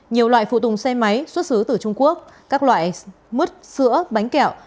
nhiều loại phụ tùng xe máy xuất xứ từ trung quốc các loại mứt sữa bánh kẹo